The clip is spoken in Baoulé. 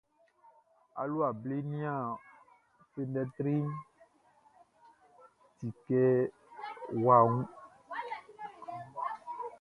Alua ble nian fenɛtri tikewa nu.